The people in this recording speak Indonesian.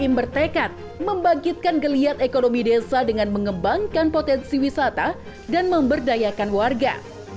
yang bertekad membangkitkan geliat ekonomi desa dengan mengembangkan potensi wisata dan memberdayakan warga